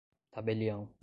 tabelião